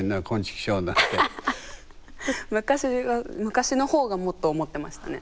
昔の方がもっと思ってましたね。